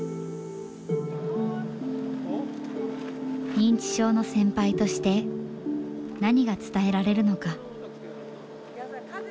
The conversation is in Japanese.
認知症の先輩として何が伝えられるのか。